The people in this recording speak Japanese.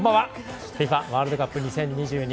ＦＩＦＡワールドカップ２０２２